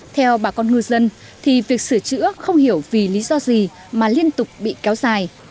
theo bà con ngư dân thì việc sửa chữa không hiểu vì lý do gì mà liên tục bị kéo dài